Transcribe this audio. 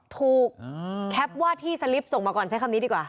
แคปว่าที่สลิปส่งมาก่อนใช้คำนี้ดีกว่า